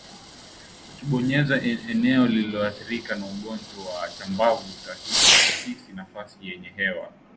Ukibonyeza eneo lililoathirika na ugonjwa wa chambavu utahisi nafasi yenye hewa